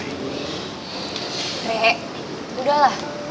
rehe udah lah